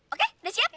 oke udah siap